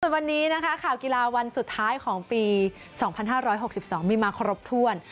วันนี้นะคะข่าวกีฬาวันสุดท้ายของปี๒๕๖๒มีมาครบถ้วน